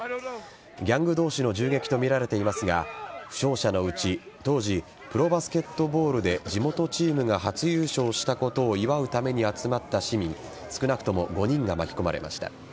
ギャング同士の銃撃とみられていますが負傷者のうち当時、プロバスケットボールで地元チームが初優勝したことを祝うために集まった市民少なくとも５人が巻き込まれました。